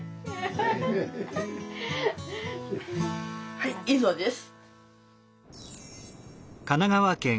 はい以上です。